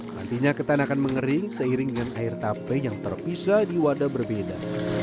nantinya ketan akan mengering seiring dengan air tape yang terpisah di wadah berbeda